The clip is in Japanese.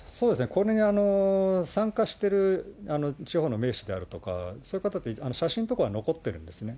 これに参加している地方の名士であるとか、そういう方って、写真とかは残ってるんですね。